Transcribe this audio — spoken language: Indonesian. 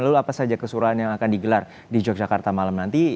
lalu apa saja kesuruhan yang akan digelar di yogyakarta malam nanti